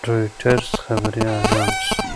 رویټرز خبري اژانس